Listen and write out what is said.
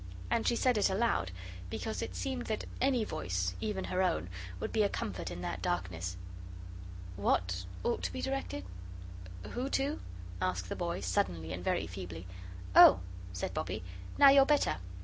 And she said it aloud, because it seemed that any voice, even her own, would be a comfort in that darkness. "WHAT ought to be directed? Who to?" asked the boy, suddenly and very feebly. "Oh," said Bobbie, "now you're better!